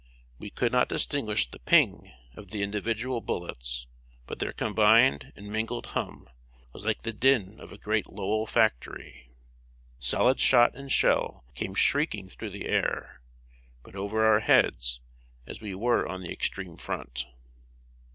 We could not distinguish the "ping" of the individual bullets, but their combined and mingled hum was like the din of a great Lowell factory. Solid shot and shell came shrieking through the air, but over our heads, as we were on the extreme front.